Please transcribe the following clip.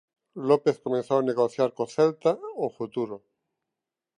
López comezou a negociar co Celta o futuro.